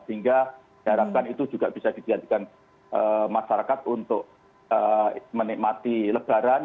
sehingga diharapkan itu juga bisa dijadikan masyarakat untuk menikmati lebaran